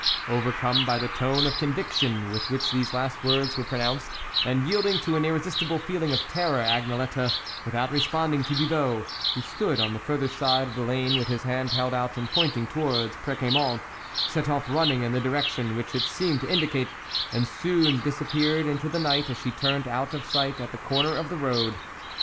Overcome by the tone of conviction with which these last words were pro nounced, and yielding to an irresistible feeling of terror, Agnelette, without re sponding to Thibault, who stood on the further side of the lane with his hand held out and pointing towards Preciamont, set off running in the direction which it seemed to indicate, and soon disappeared into the night as she turned out of sight at the corner of the road.